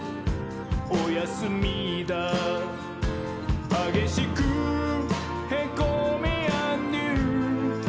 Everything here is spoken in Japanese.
おやすみだー」「はげしくへこみーあんどゆー」